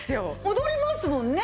戻りますもんね。